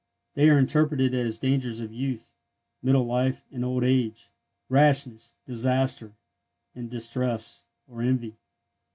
They are interpreted as the dangers of youth, middle life, and old age—Rashness, Disaster, and Distress (or Envy).